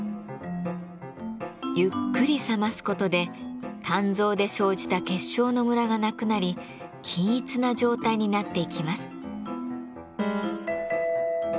ゆっくり冷ます事で鍛造で生じた結晶のムラがなくなり均一な状態になっていきます。